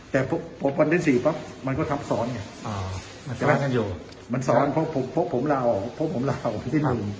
แต่พบวันที่๔เพราะมันก็ทำสอนไงมันสอนเพราะผมลาออกไปที่๑